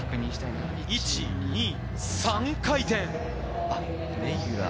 １・２・３回転。